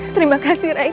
terima kasih raik